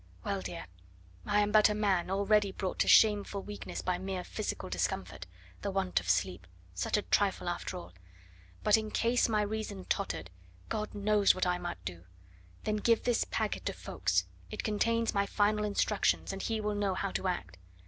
Well, dear, I am but a man, already brought to shameful weakness by mere physical discomfort the want of sleep such a trifle after all; but in case my reason tottered God knows what I might do then give this packet to Ffoulkes it contains my final instructions and he will know how to act.